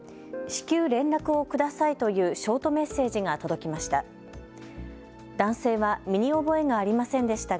至急連絡をくださいというショートメッセージが届きました。